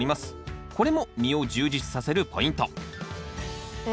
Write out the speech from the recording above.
これも実を充実させるポイントえ